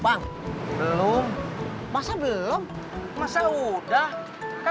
anjing ke saharaordya